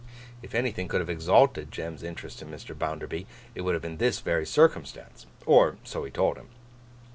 If anything could have exalted Jem's interest in Mr. Bounderby, it would have been this very circumstance. Or, so he told him.